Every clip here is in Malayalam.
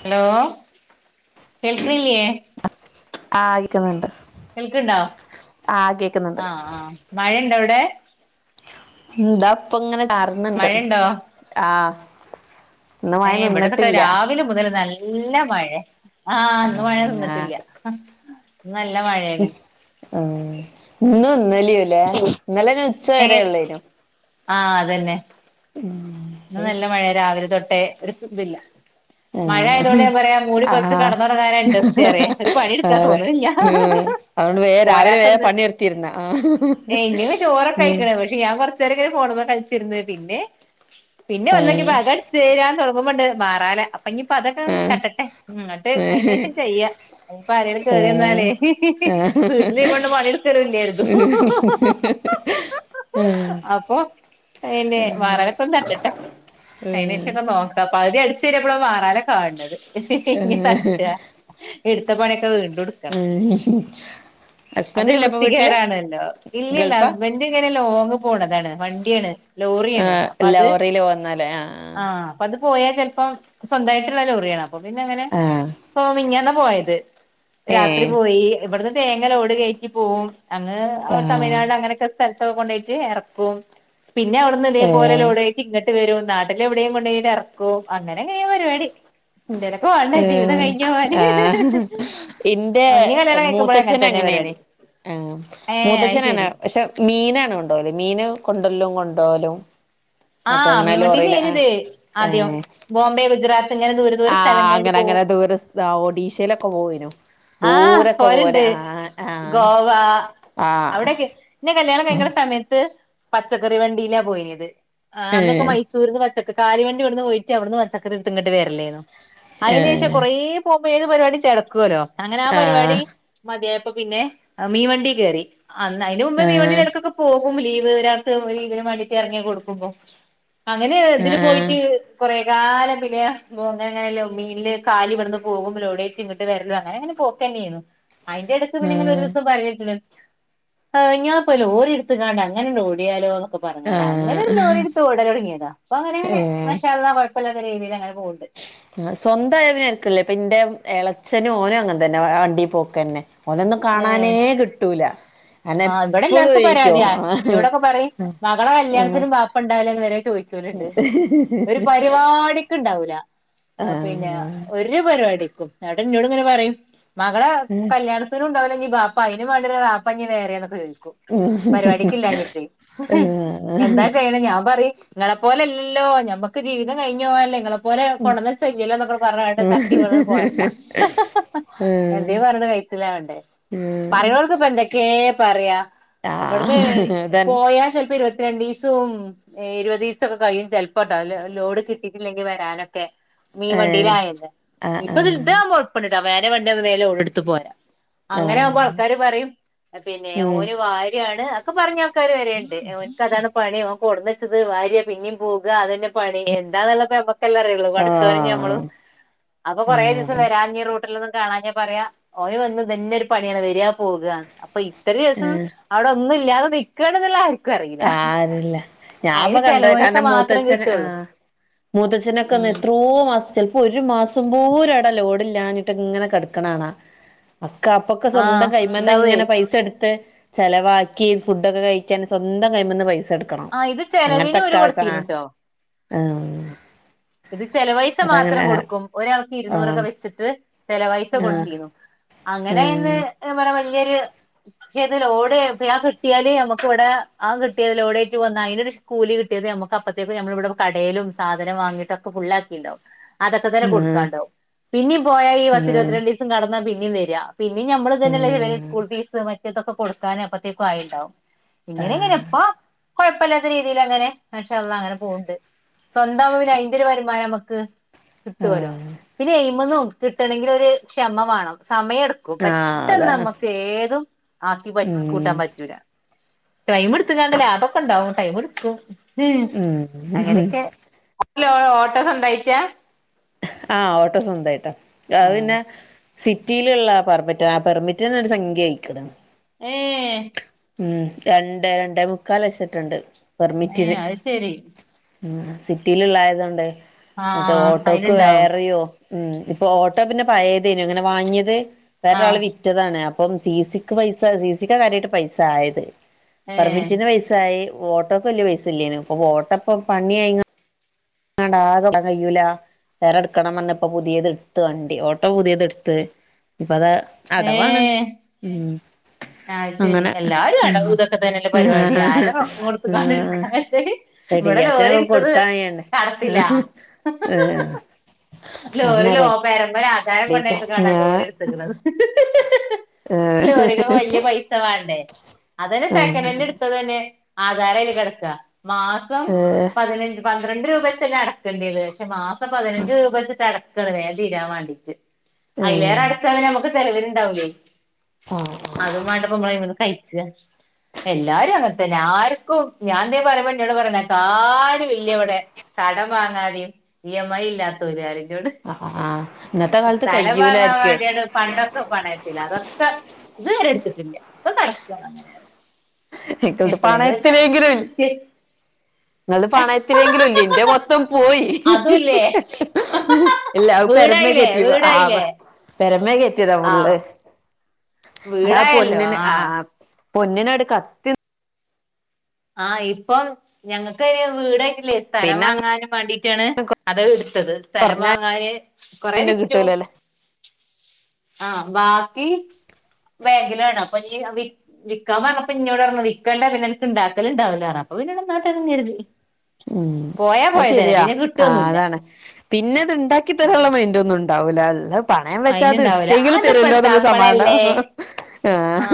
ഹലോ കേൾക്ക്ണില്ല്യേ ആഹ് കിട്ടുന്ന്ണ്ട് കേൾക്ക്ണ്ടോ ആഹ് ആഹ് മഴ ഇണ്ടോ അവടെ? ഉം ദാ ഇപ്പങ്ങനെ ചാറ്ണ് ണ്ട് മഴയുണ്ടോ ആഹ് ഏഹ് ഇവടെക്കെതാ രാവിലെ മുതൽ നല് ഇല്ല മഴ ആ ഇന്ന് മഴ ആ നിന്നിട്ടില്ല നല്ല മഴയാണ് ആ ഇനും ഇന്ലെയും ല്ലേ ഉച്ച വരെ ഉള്ളേനും ആ അതന്നെ ഇന്ന് നല്ല മഴയ രാവിലെ തൊട്ടേ ഒരു സ് തില്ല മഴ ആയതുകൊണ്ട് ഞാൻ പറയാ മൂടി ആ പറ കടന്നറ കാര്ം ഇൻഡസ്റ്റി അറിയ ഒരു ആ പണിയെടുക്കാൻ അതെ തോന്നുന്നില്ല ഉം അതുകൊണ്ട് വേ രാവിലെ വേ പോരാത്തന്ന് പണിയെടുത്തിരുന്ന ആ ഇനി ചോറൊക്കെ ഉം കഴിക്കണ പക്ഷെ ഞാൻ കൊറച്ചര ണ്പോ കളിച്ചിന്ന് പിന്നെ പിന്നെ ആ വന്നക്കി അകം അടിച്ചുവാരാൻ തുടങ്ങുമ്പണ്ട് മാറാല അപ്പ ഇനിപ്പ അതൊക്കെ ആ തട്ടട്ടെ ഇങ്ങോട്ട് അതിനന് ശേഷം ചെയ്യ ഇപ്പൊ ആരയില് കേറി വന്നാല് ആ ആ വീട്ടില് ഈ പെണ്ണ് പണിയെടുക്കൽ ഇല്ലേ കരുതും അപ്പൊ പിന്നെ മാറാലോക്ക ഒന്ന് തട്ടട്ടെ അതിനേഷം ഒക്കെ നോക്കാം പകുതി അടിച്ചുരിപ്പഴാ മാറാല കാണത് ഇനി തട്ടാ ഇടുത്ത പണിയൊക്കെ വീണ്ടും എടുക്കണം ഉം അതൊരു വൃത്തികേടാണല്ലോ ഇല്ലല്ല ഗൾഫാ ഹസ്ബൻന്റ് ഇങ്ങനെ ലോങ്ങ് പോണതാ എന്താണ് വണ്ടിയാണ് ലോറിയാണ് അപ്പൊ അത് ന്നല്ലേ ആ ആ ആഹ് അപ്പൊ അത് പോയാൽ ചിലപ്പോ സ്വന്തമായിട്ടുള്ള ലോറിയാണ് അപ്പൊ പിന്നെ അങ്ങനെ ആഹ് മിനിഞ്ഞാന്ന് പോയത് രാത്രി ഏഹ് പോയി ഇവിടുന്ന് തേങ്ങലോട് കയറ്റി പോവും അങ്ങ് അടെ ആഹ് തമിഴ്നാട് അങ്ങനെയൊക്കെ സ്ഥലത്തൊക്കെ കൊണ്ട പോയിട്ട് ഇറക്കും പിന്നെ അവിടു ഇതുപോലെ ഏഹ് ലോഡ് ഏറ്റും ഇങ്ങോട്ട് നട്ട് വരും നാട്ടിൽെവിടെയും കൊണ്ട ഇറക്കും അങ്ങനെ എങ്ങനെയാ പരിപാടി എന്റെ ഇടൊക്കെ വണ്ട ജീവിതം ഏഹ് കഴിക്കാൻ പോ ആഹ് അ കല്യാണം കഴിക്കുമ്പോഴ അങ്ങനെ തന്നെ അങ്ങനെയ്നി പരിപാടി ആ ഏഹ് അത് മുത്തച്ഛനെണ് ശരി പക്ഷേ മീനാണ് കൊണ്ടാവല് മീന് കൊണ്ടരല്ലും കൊണ്ടോവലും അതെ ആഹ് അങ്ങനൊലും ലോറില്ല ആ മീൻവണ്ടീലേനിത് ആദ്യം ബോംബെ ഗുജറാത്ത് ഇങ്ങനെ ദൂരെ ആ ദൂരെ സ്ഥലങ്ങളിൽ പോവും അങ്ങനെങ്ങനെ ദൂര ഒഡീഷയിലൊക്കെ പോവുനു ആ പോവലുണ്ട് ആഹ് ഗോവ ആഹ് അവിടെൊക്കെ ഇന്നെ കല്യാണം കഴിക്കുന്സമയത്ത് പച്ചക്കറി വണ്ടിയില പോയിത് അന്നൊക്കെ ഏഹ് മൈസൂര് ന്ന് കാലരി വണ്ടി ഇവിടെന്ന് പോയിട്ട് അവിടുന്ന് പച്ചക്കറി എടുത്തിങ്ങിട്ട് വരല്ലേരുന്നു അതിനന് ശേഷം ഏഹ് കൊറേ പോ ഇ ഏത് പരിപാടി ചേടക്കുവല്ലോ അങ്ങനെ ആ പരിപാടി ആഹ് മതിയപ്പ പിന്നെ മീൻവണ്ടി കയറി അന്ന് അതിന് മുമ്പേ മീൻ ആഹ് വണ്ടിയിലെ പോകുംലീവ് ഒരാൾക്ക് ലീവിന് വേണ്ടിയിട്ട് ഇറങ്ങി കൊടുക്കുമ്പോ അങ്ങനെ ഇതില് ആഹ് പോയിട്ട് കൊറെ കാലം പിന്നെ അങ്ങന അങ്ങനല്ലോ മീനില് കാലി ഇവിടന്ന് പോകുമ്പോടേച്ചി ഇങ്ങോട്ട് വരല്ലോ അങ്ങനെ അങ്ങനെ പോ അതിന്റെ അട പിന്നെ ഇങ്ങനെ ഒരു ആഹ് ദിവസം പറഞ്ഞിട്ട്ക്ക്‌ണ് ആ ഞാൻ ലോറിയെടുത്ത് അങ്ങനെ ഓടിയാലോ എന്നൊക്കെ പറഞ്ഞാക്കാ ണ്ട് ആഹ് ലോറിടുത്ത്ഓടല തുടങ്ങിയത ഇപ്പം അങ്ങനെ അങ്ങനെ മാഷാ അള്ളാ കുഴപ്പമില്ലാത്ത രീതിയിൽ അങ്ങന ആ സ്വന്തമായ തരക്കേടില്ല ഇന്റെ എളച്ചനും ഓനും അങ്ങന തന്നെ വണ്ടി പോക്കന്നെ ഓനൊന്നും ഏഹ് കാണാനേ കിട്ടൂല അന ആഹ് ഇവിടെ എപ്പളും എല്ലാർക്കും ഒഴിക്കോ പരാതിയാ ആ എന്നോടൊക്കെ പറയും ആ ചോദിക്കലണ്ട് ഒരു പരിപാടിക്കുണ്ടാവൂല പിന്നെ ആഹ് ഒരു പരിപാടിക്കും ട്ട എന്നന്നോട് ഇങ്ങനെ പറയും മകള കല്യാണത്തിനും ഉണ്ടാവില്ലെീ പാപ്പങ്ങി വേറെന്നൊക്കെ ചോദിക്കു പരിപാടിക്ക് ഇില്ലഞ്ഞിട്ടേ ആഹ് എന്താ ചെയഴണ ഞാൻ പറ നിങ്ങളെ പോലെല്ലോ ഞമ്മക്ക് ജീവിതം കഴഞ്ഞ പോാല്ലെങ്ങളെ പോലെ കൊണ്ടന്ന ച്യല്ല എന്നൊക്കെ പറഞ്ഞട്ട് തട്ടി വ പോില്ല ആഹ് എന്ത പറഞ്ഞ ക സിലാവൂണ്ട് ആഹ് പറയവർക്ക ഇപ്പ എന്തൊ ഏ പറയാ ഇവടെന്നു അതന്നെ പോയാ ചെലപ്പോ ഇരുപത്തിരേണ്ടേച് സും ഇരുപദിവസം ഒക്കെ കഴിയും ചിലപ്പോപ്പട്ടോ അ ലോഡ് കിട്ടിട്ടില്ലെങ്കിൽ വരാനൊക്കെ മീൻവണ്ടിയില ഏഹ് ആയന്ന ആഹ് ഇപ്പൊ ഇത് ആഹ് ഇതാുമ്പോഴപ്പ തവാന വണ്ടിന്ന് വേല ഓടെ എടുത്ത പോരാ അങ്ങനെ ആഹ് ആകുമ്പോ ആൾക്കാര് പറയും പിന്നെ ഓ ഉം വാര്യാണ് ഒക്കെ പറഞ്ഞ ആൾക്കാാര് വരുണ്ട് എനക്ക്താണ് പണി ക്ക് കൊടന്നച്ചത് ഭാര്യ പിന്നെയും പോവുക അതന്നെ പണ എന്താന്നുള്ള പ എക്കല്ലാം അറിയുള്ളൂ പടച്ചഞമ്മള് ആഹ് അപ്പൊ കൊറേ ആഹ് ദിവസം അതന്നെ വരാ കാണാഞാ പറയാ ഓന് വന്ന തന്നെ ഒരു പണിയാണ് വരിയാ പോക അപ്പൊ ഇത്ര ദിവസം അവിടെ ഒന്നും ഇല്ലാതെ നിെക്കുകണ എന്നുള്ള ആും ആര്ല്ല ഞാൻപ്പൊ കണ്ടത് ചെലവൈസ കാരണം മാത്രം മൂത്തച്ഛന് ആ കിട്ടുള്ളൂ മൂത്തച്ഛനൊക്കെ ഒന്ന് ഉം എത്രോ മ ഇൊ ഒരു മാസം പോര അട ലോഡില്ലാഞ്ഞിട്ട് ഇങ്ങനെ കിടക്കണണാ അക്ക അപ്പൊക്കെ സ്വന്തം ആഹ് കൈ്മറി ഇണ്ടാവേ ഇങ്ങനെ പൈസ എടുത്ത് ചെിലവാക്കി ഫുഡൊക്കെ കഴിക്കാൻ സ്വന്തം കഴമന്ന് പൈസ എടുക്കണം ആഹ് ഇത് ചെലവിന് അങ്ങനത്തെൊക്കെ ഓര് കൊടുത്തീനുട്ടോ ഇത് ചെില പൈസ മാത്രം കൊടുക്കും ഒരാൾക്ക് ഇരുുന്നൂറൊക്കെ ആഹ് വെച്ചിട്ട് ചെല പൈസ ആഹ് കൊടുത്തിരുന്നു അങ്ങനെന്ന് എ പറയാ വലിയൊരു പക്ഷേതില ഓടെ ആ കിട്ടിയല് നമുക്ക് ഇവിടെ ആ കിട്ടിയതിൽ ഓടെ ആ് വന്നാ അയിൊ ഒരു കൂി കിട്ടിയത് നമു അപ്പഴത്തേക്ക നമ്മളിവിടെ കടയിലുംാനം വങ്ങിട്ട് ൊക്കെ ഫുാക്കി ഉണ്ടാവും അതൊക്കെ തന്ന കൊടുക്കാണ്ടാവും പിന്നും പോയാ ഈസ ആഹ് ആഹ് ഇരുപത്തി ആഹ് രണ്ട് ദിവസം കടന്നാന്നെ പിന്ന വക പിന്ന നമ്മള് തന്നെള്ള ചില ഉം സ്കൂൾ ഫീസ് മറ്റതൊക്കെ കൊടുക്കാനൻ അപ്പഴത്തേക്കും ആയല്ലോ ആഹ് എങ്ങനെങ്ങന ആഹ് അപ്പാ കുഴപ്പമില്ലാത്ത രീതിയിൽ അങ്ങനെ പക്ഷെള്ള അങ്ങനെ പോകണ്ട് സ്വന്തംമാന ഇൊരു വരുമാനം നമുക്ക് കിട്ടുവല്ലോ ആഹ് പിന്നെ എയി്മന്ന് കിട്ടണെങ്കിൽഒരു ക്ഷമ വേണോ സമയമെടുക്കും പെട്ടെന്ന് അതാണ് നമ്മുക്ക് ഏതും ആക്കി ഉം കൂട്ടാൻ പറ്റൂല ടൈം എടുക്ക ലാഭൊക്കെ ഉണ്ടാവും ടൈം എടുക്കും ഉ ഉം അങ്ങനൊക്കെ ല്ല ഓട്ടോസ് ഉണ്ടായിച്ചാ ആഹ് ഓട്ടോ സ്വന്തായിട്ടാ ആഹ് പിന്നെ സിറ്റിയിലുള്ള പെർമിറ്റ് ആ പെർമിറ്റിന്ന ഒരു സംഖ്യയയിക്കിുന്നു ഏ ഉം രണ്ടേ രണ്ടേ മുക്കാൽ വച്ചിട്ടുണ്ട് ഏ അത് ശരി ഉ സിറ്റിയിലള്ളായതൊണ്ട് എന്നിട്ട് ആഹ് ഓട്ടോക്ക് അയിലുണ്ടാവും വേറെയോ ഉം ഇപ്പൊ ഓട്ടോ പിന്നെ പയതേനു അങ്ങനെ വാങ്ങിയത് വേറൊരാൾ ആഹ് വിറ്റതാണ് അപ്പം സി സിക്ക് പൈസ സി സിക്ക് കാര്യമായിട്ട് പൈസ ആയത് ഏ പെർമിറ്റിന് പൈസ ആയി വഓട്ടോൊക്കെ വലിയ പൈസ ഇല്ലേന് ഇപ്പൊ വോട്ടപ്പ പണി ആയ ആണ്ടാ ആക കയൂല വേറെ എടുക്കണം വഞ്ഞ ഇപ്പ പുതിയത് എടുത്ത് വണ്ടി ഓട്ടോ പുതിയത് എടുത്ത് ഇപ്പൊ അത അടവാണ് ഏ ഉം ആഹ് ശരി അങ്ങനെ എല്ലാരും അടവും ഇതൊക്കെ തന്നെയല്ലേ ഏ പരിപാടി ആരാ റൊക്കം കൊടുത്ത് കാണ്ട് എടുക്കാച്ചാല് ആ ഇവിടെ ലോറി വെഡഗാസിനൊക്കെ എടുത്തത് കൊടുക്കാൻണ്ടേ കടത്തിലാ അണ രഡ യ പണ്ടയത്ത കാ ഓഎടുക്കുന്നത് ഏഹ് ഓല്ക്ക് വലിയ പൈസ വേണ്ടേ അതല്ലെ സെക്കൻഡ് ആഹ് ഹാൻഡ് എടുത്തത് തന്നെ ആധാരയില് കെടക്ക മാസം ഏഹ് പതിനഞ്ച് പന്ത്രണ്ട് രൂപ വച്ചല്ലെ അടക്കേണ്ടത് പക്ഷെ മാസം പതിനഞ്ച് രൂപ വച്ചിട്ട് അടക്കാണ് വേം തീരാൻ വാണ്ടീട്ട് അതിലേറെ ഏഹ് അടച്ചാല് ഞമക്ക് ചെലവിനുണ്ടാവുലേ ആഹ് അതും മാണ്ടപ്പോ മളവെടുന്ന് കഴി ക്കാ എല്ലാരും അങ്ങനത്തന്നെ ആർക്കും ഞാൻ ന്തേ പറയുമ്പോ എന്നോട് പറയണേക്കാ ആർ ക്കില്ലവിടെ കടം വാങ്ങാതെയും ഇയ്യമ്മയ് ഇല്ലാത്തവരാരും ലോട് ആഹ് ഇന്നത്തെ കാലത്ത് സ്ഥലം വാങ്ങാൻ കയ്യൂലാര്ക്കേ വേണ്ട്യാലും പണ്ടൊക്കെ പണയത്തില അതൊക്കെ ഇത്വരെടുത്തിട്ടില്ല ഒക്കെ കെടക്ക അങ്ങനെറയാ റ്റിക്കൾട്ട് പണയത്തിലെങ്കിലും ണ്ട് ഇങ്ങൾടെ പണയത്തിലെങ്കിലും ഇല്ലേ ന്റെ മൊത്തം പോയി അതുല്ലേ എല്ലാം പെരമെ വീടായില്ലേ കേറ്റിവ ആവ വീടായില്ലേ പെരമേ കേറ്റിയതാ ഫുള്ള് ആഹ് അതാ പൊന്നിന് ആഹ് പൊന്നിന് അട് കത്തി ആഹ് ഇപ്പൊ ഞങ്ങക്ക് അയ്ന് വീടായ് ല്യേ. സ്ഥലം പിന്നെ അങ്ങനെ വാങ്ങാനും വണ്ടീട്ടാണ് അത് ഇട്ത്തത് സ്ഥലം കുറഞ്ഞ വാങ്ങാന് കൊറെ പിന്നെ വിറ്റു കിട്ടൂലല്ലേ ആഹ് ബാക്കി ബേങ്കിലാണ് അപ്പോ ഞി വി വിക്കാൻ പറഞ്ഞപ്പ ഇന്നോട് പറഞ്ഞു വിക്കണ്ട പിന്നെ ഇൻക്ക് ഇണ്ടാക്ക ക്കല് ഇണ്ടാക്കലിണ്ടാവില്ലാറഞ്ഞ് അപ്പോ പിന്നെ ഇവിനോട്ടെ ന്ന് കരുതി ഉം പോയാ അത് പോയതന്നെ ശെരിയാ പിന്നെ ആഹ് കിട്ടൊന്നുല്ല അതാണ് പിന്നെ അത് ഇണ്ടാക്കി തരാളള മൈൻഡൊന്നും ഉ ണ്ടാവൂല അല്ലം പണയം വെച്ചാ അത് അയിന്ണ്ടാവൂല ഇടുത്തെങ്കിലും തരുല്ലോ അതിപ്പത്താ ന്നുള്ളരു സമാനണ്ടാവും അപ്പളല്ലേ ആഹ്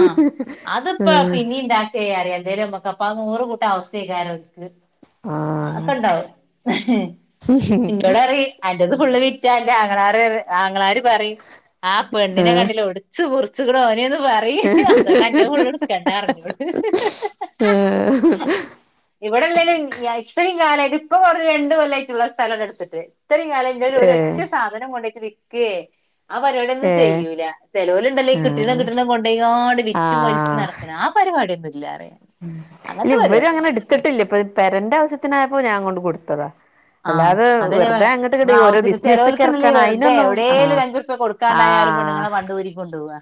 അപ്പനിണ്ടാക്കെറയും എന്തേലും മ്മക്ക് അപ്പ നൂറുകൂട്ടം അവസ്ഥേ [unintelligible] ആ [unintelligible] വിറ്റ ന്റെ ആങ്ങളാര് ആങ്ങളാര് പറയും ആ പെണ്ണിനെ ആ കണ്ടിലെ ഒടിച്ച് മുറിച്ച്ക്ക്ണ് ഓനെ പറയും അതോണ്ട് അൻ്റെ ഫുള്ള് ഇടുക്കണ്ട പറഞ്ഞോള് ഇവടെല്ലേലും ഞ ഇത്രയും കാലായിട്ട് ഇപ്പോ കൊറെ രണ്ട് കൊല്ലായിട്ടുള്ളു ആ സ്ഥലംങ്ങ് എടുത്തിട്ട് ഇത്രയും കാലം എൻ്റെരു ഒരു ഏ ഒരൊറ്റ സാധനം കൊണ്ടയിട്ട് വിക്കേ ആ പരിപാടിന്നും ഏ ഏ ചെയ്യൂല ചെലോലുണ്ടല്ലോ ഈ കിട്ടുന്ന ആഹ് കിട്ടുന്ന കൊണ്ടയോണ്ട് വിറ്റും വലിച്ചു നടക്കണെ ആ പരിപാടിന്നും ഇ ഉം ഇല്ല ഇവരും അങ്ങനെ എടുത്തിട്ടില്ല ഇപ്പോ പെരന്റെ ആവശ്യത്തിനായപ്പോ ഞാൻ കൊണ്ട് കൊടുത്തതാ ആഹ് അല്ലാതെ അതെ ഞാ വെറുതെ പറഞ്ഞേ അങ്ങട്ട് ഇങ്ങട്ട് മ്മടെ ഓരോ ആവസ്യക്ക് ബിസിനസ്ക്ക് ചെലോൽക്ക്ണ്ടല്ലോ ഇറക്കാൻ ഈ വെറ്തെ അയിനൊന്നും എവിടെലും ആഹ് ഒരഞ്ചു റുപ്പ കൊടുക്കാണ്ടായ യാലും ആഹ് പെണ്ണുങ്ങടെ പണ്ടം ഊരി കൊണ്ടവാ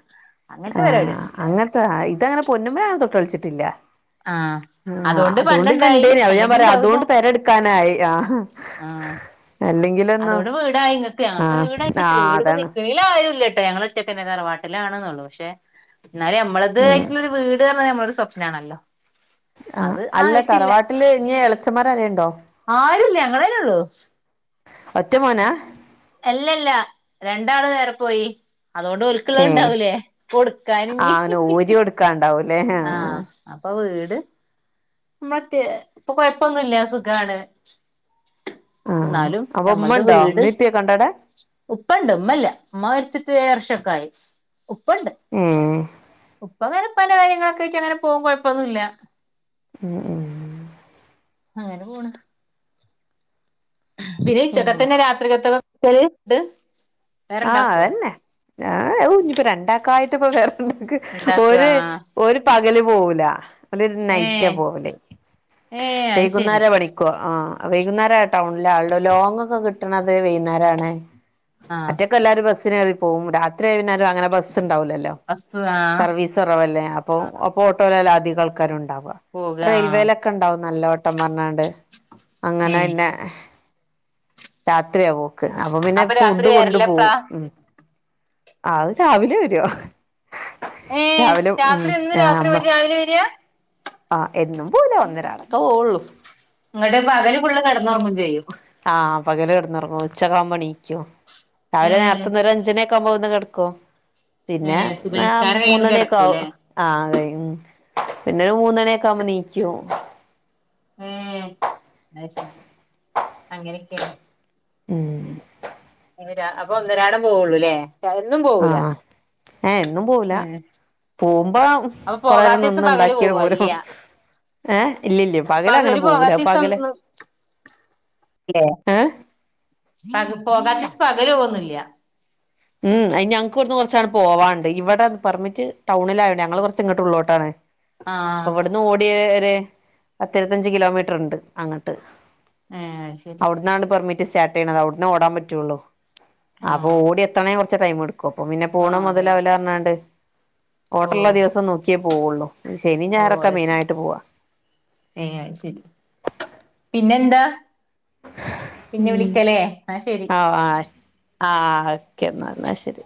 ആഹ് അങ്ങനത്തെ ആ ഇതങ്ങനെ പൊന്നുമേ ആഹ്‌ തൊട്ട് കളിച്ചിട്ടില്ല ആഹ് ആഹ് അതോണ്ട് പണ്ടണ്ടായി ഇതിണ്ടേനിം അപ്പ ഞാൻ അല്ലെങ്കി പറയും ഇണ്ടാവൂല അതോണ്ട് പെരെടുക്കാനായി ആഹ് ആഹ് അല്ലെങ്കിലൊന്നും അതോണ്ട് വീടായി ഇങ്ങക്ക് ഞങ്ങക്ക് ആഹ് വീടായിട്ടില്ല ആഹ് വീട് പ്പ അതാണ് നിക്കണേലും [unintelligible] ഞങ്ങളൊറ്റക്കെന്നെ തറവാട്ടിലാണെന്നുള്ളു പഷേ എന്നാലും ഞമ്മളത് ഉം ആയിട്ടുള്ളൊരു വീട് പറഞ്ഞ ഞമ്മടെ ഒരു സ്വപ്നാണല്ലോ ആഹ് അത് അല്ല ആയിട്ടില്ല തറവാട്ടില് ഇനി ഇളച്ചമാരാരേലുംണ്ടോ ആരുല്ല ഞങ്ങളന്നെ ഉള്ളു ഒറ്റ മോനാ അല്ല ല്ലാ രണ്ടാള് വേറെ പോയി അതുകൊണ്ട് ഓല്ക്കുള്ളത് ഏഹ് ഇണ്ടാവൂലേ ആഹ് കൊടുക്കാനിഞ്ഞി- അങ്ങനെ ഊരി കൊടുക്കാണ്ടാവൂലേ ആഹ് അപ്പൊ വീട്- മറ്റേ ഇപ്പൊ കൊഴപ്പൊന്നുല്ല സുഖാണ് ആഹ് എന്നാലും അപ്പൊ ഞമ്മളുടെ ഉമ്മണ്ടോ വീട് ഉമ്മേം ഉപ്പേക്കെ ഉണ്ടോ അവിടെ ഉപ്പ ഉണ്ട് ഉമ്മല്ല ഉമ്മ മരച്ചിട്ട് ഏഴ് വർഷം ക്കായി ഉപ്പണ്ട് ഏഹ് ഉപ്പ വരും ഉപ്പാന്റെ കാര്യങ്ങളൊക്കെ ആയിട്ട് അങ്ങനെ പോവും കൊഴപ്പൊന്നുല്ല ഉം ഉം അങ്ങനെ പോണ് പിന്നെ ഓഹ് ഉച്ചക്കത്തന്നെ രാത്രിലേക്ക് ഉണ്ട് ആഹ് അത് തന്നെ ഞ്ഞി ഇപ്പോ രണ്ടാക്കയായിട്ട് വെ - എന്ക്ക് ഉണ്ടാക്ക ഒരു ആഹ് ഒരു പകല് പോവൂല അവന് നൈറ്റാ ഏഹ് പോവല ഏഹ് അത് ശരി വൈകുന്നേരം പാടിക്കോ ആഹ് വൈകുന്നേര ടൗണില ആളുടെ ലോങ്ങൊക്കെ കിട്ടണത് വൈകുന്നേരം ആണ് ആഹ് മറ്റൊക്കെ എല്ലാവരും ബസ്സിന് കേറി പോവും രാത്രിയതിനാല- അങ്ങനെ ബസ്ണ്ടാവോല്ലലോ ബസ് ആഹ് സർവീസ് കൊറവല്ലേ അപ്പോ ഓട്ടോയിലല്ലാധിക ആൾക്കാരും ഉണ്ടാവുക പോക ആഹ് റെയിൽവേയിലൊക്കെ ഉണ്ടാവും നല്ല വെ - ട്ടം പറഞ്ഞണ്ട് അങ്ങനെ ഏഹ് പിന്നെ രാത്രിയാകോ അപ്പൊ പിന്നെ രാത്രി ഫുഡ് കൊണ്ട് പോവും വരലെപ്പളാ ഉം അത് രാവിലെ വരോ ഏഹ് രാവിലെ ഉം രാത്രി ഇന്ന് രാത്രി അമ്മ പോയിട്ട് രാവിലെ വരാ ആഹ് എന്നും പോവില്ല ഒന്നിരാടംക്കെയുള്ളു പള് കടന്നോർമ്മയും ചെയ്യും [unintelligible] ആഹ് പകല് കെടന്നുറങ്ങും ഉച്ചക്കവുമ്പണീക്കോ ഏ രാവിലെ നേരത്തന്ന അഞ്ചിനേ- പോക കിടക്കോ ഏ പിന്നെ സുബഹിസ്കാരം കഴിയുമ്പോ മൂന്നണിയൊക്കെ കിടക്കൂല്ലേ ആകുമ്പോ ആ - ഉം പിന്നെരു മൂന്നണ്യൊക്കാവുമ്പോ നീക്ക്യും. അയ് ശെരി അങ്ങനെക്കെണ്. ഉം അപ്പൊന്നരാടം പോവൊള്ളൂല്ലേ ആഹ് ഇപ്പം കൊറെരം നിന്ന്ണ്ടാക്ക്യാട് പോവ പോരും. ഇല്ല ഏഹ് ഇല്ലില്ല പകല ങ്ങനെ പോവൂല പകല ല്ലേ പക പോകാത്ത് പകലോവൊന്നില്ല. ഉം അയ്ന് ഞങ്ങക്ക് വട്ന്ന് കൊർച്ചണ്ട് പോവാണ്ട്. ഇവടെ പെർമിറ്റ് ടൗണിലായോണ്ടെ ഞങ്ങള് കൊർച്ച് ഇങ്ങട്ട് ഉള്ളോട്ടാണ്. ആഹ് പ്പ ഇവട്ന്ന് ഓട്യാ ഒര് പത്തിരുപത്തഞ്ച് കിലോമീറ്ററ്ണ്ട് അങ്ങട്ട്. ഏഹ് അത് ശെരി. ടിസ്റ്റാട്ടെയ്യ്ണത് അവട്ന്ന് ഓടാം പറ്റൊള്ളൂ. ആഹ് അയ് ശെരി. ച്ച ടൈമ്ട്ക്കും അപ്പൊ പിന്നെ പോണെ മൊതലാ വൂലാർഞ്ഞാണ്ട്. ഓ ഓട്ടള്ള ദിവസം നോക്ക്യേ പോവൊള്ളൂ. ശനിം ഓ ഞായറൊക്കെ അത് ശരി മെയ്നായിട്ട് പോവാ. പിന്നെ ന്താ പിന്നെ വിളിക്കലേ ന്ന ശെരി. ആഹ് ഓക്കെന്ന എന്നാ ശെരി.